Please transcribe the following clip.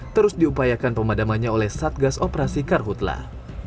terus diupayakan pemadamannya oleh satgas operasi karhutlah